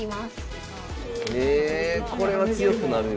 ええこれは強くなるよ。